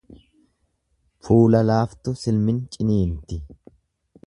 Fuula laaftu silmin ciniinti.